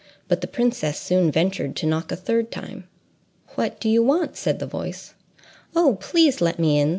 But the princess soon ventured to knock a third time. "What do you want?" said the voice. "Oh, please, let me in!"